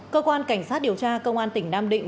cơ quan cảnh sát điều tra công an tỉnh nam định